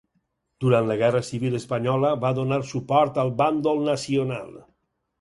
Durant la guerra civil espanyola va donar suport al bàndol nacional.